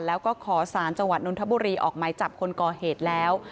แล้วก็ขอสารจังหวัดนทบุรีออกหมายจับคนก่อเหตุแล้ว